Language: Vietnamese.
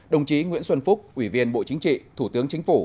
đồng chí nguyễn xuân phúc ủy viên bộ chính trị thủ tướng chính phủ